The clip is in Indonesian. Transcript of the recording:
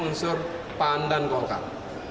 mengusur pandan golkar